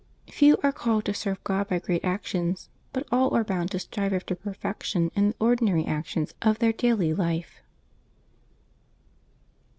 — Few are called to serve God by great actions, but all are bound to strive after perfection in the ordinary actions of their daily life.